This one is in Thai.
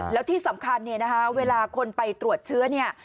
แล้วที่สำคัญเนี่ยนะคะเวลาคนไปตรวจเชื้อเนี่ย